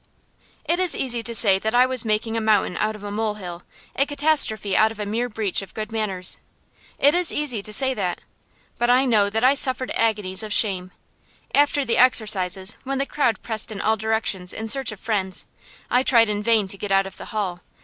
It is easy to say that I was making a mountain out of a mole hill, a catastrophe out of a mere breach of good manners. It is easy to say that. But I know that I suffered agonies of shame. After the exercises, when the crowd pressed in all directions in search of friends, I tried in vain to get out of the hall.